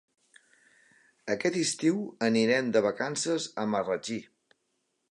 Aquest estiu anirem de vacances a Marratxí.